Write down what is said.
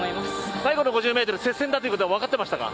最後の５０ｍ、接戦だということは分かっていましたか。